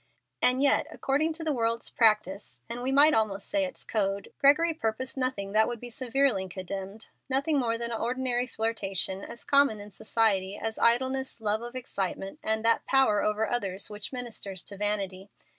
And yet according to the world's practice, and we might almost say its code, Gregory purposed nothing that would be severely condemned nothing more than an ordinary flirtation, as common in society as idleness, love of excitement, and that power over others which ministers to vanity.